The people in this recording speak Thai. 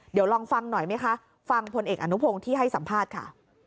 เดี๋ยวลองฟังหน่อยไหมคะฟังพลเอกอนุพงศ์ที่ให้สัมภาษณ์ค่ะ